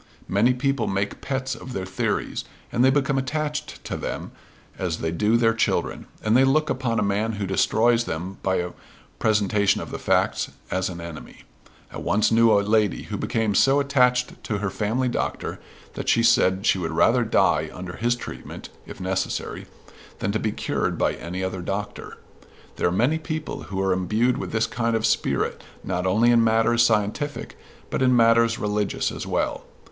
Many people make pets of their theories; and they become attached to them as they do their children; and they look upon a man who destroys them by a presentation of the facts as an enemy. I once knew a lady who became so attached to her family doctor that, she said, she would rather die under his treatment, if necessary, than to be cured by any other doctor. There are many people who are imbued with this kind of spirit not only in matters scientific, but in matters religious as well.